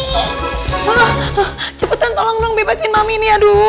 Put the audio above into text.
hah cepetan tolong dong bebasin mami ini aduh